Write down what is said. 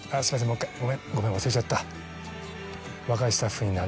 もう１回ごめん忘れちゃった」。